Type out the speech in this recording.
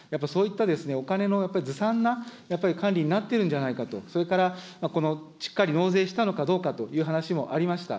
やっぱそういったお金のずさんなやっぱり管理になっているんじゃないかと、それからこのしっかり納税したのかどうかという話もありました。